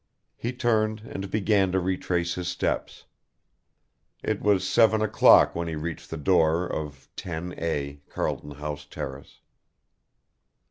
He turned and began to retrace his steps. It was seven o'clock when he reached the door of 10A, Carlton House Terrace.